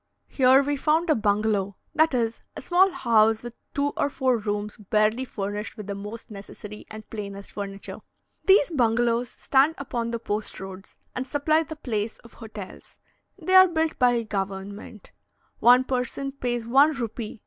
Here we found a bungalow; that is, a small house with two or four rooms barely furnished with the most necessary and plainest furniture. These bungalows stand upon the post roads, and supply the place of hotels. They are built by government. One person pays one rupee (2s.)